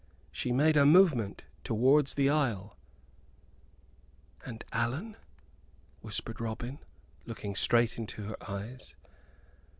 She made a movement towards the aisle. "And Allan?" whispered Robin, looking straight into her eyes.